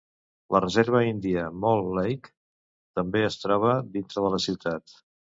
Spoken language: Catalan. La reserva índia Mole Lake també es troba dintre de la ciutat.